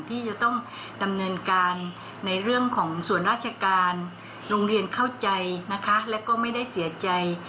ที่จะต้องดำเนินการในเรื่องของส่วนราชการโรงเรียนเข้าใจนะคะแล้วก็ไม่ได้เสียใจ